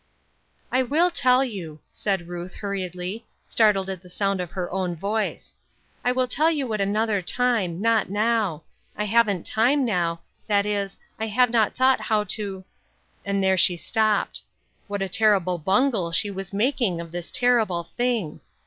" I will tell you," said Ruth hurriedly, startled at the sound of her own voice, " I will tell you at another time, not now ; I haven't time now, that is, I have not thought how to" — and there she stopped. What a terrible bungle she was making of this terrible thing